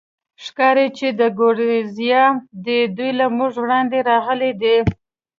ښکاري، چې د ګوریزیا دي، دوی له موږ وړاندې راغلي دي.